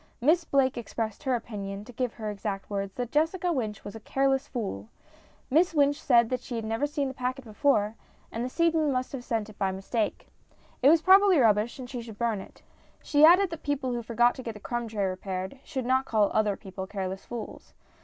Miss Blake expressed her opinion, to give her exact words, that Jessica Wynch was a careless fool. Miss Wynch said she had never seen the packet before, and the seedsman must have sent it by mistake. It was probably rubbish, and she should burn it. She added that people who forgot to get the crumb tray repaired should not call other people careless fools.